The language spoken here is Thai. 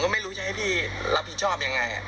คุยปรึกษากันก่อนว่าจะเอายังไง